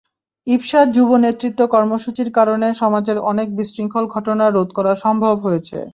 ইপসার যুব নেতৃত্ব কর্মসূচির কারণে সমাজের অনেক বিশৃঙ্খল ঘটনা রোধ করা সম্ভব হয়েছে।